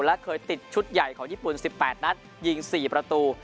และเคยติดชุดใหญ่ของญี่ปุ่น๑๘นัดยิง๔ประตู